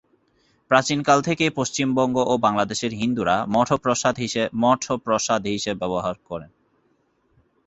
প্রাচীন কাল থেকেই পশ্চিমবঙ্গ ও বাংলাদেশের হিন্দুরা মঠ প্রসাদ হিসাবে ব্যবহার করেন।